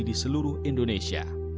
di seluruh indonesia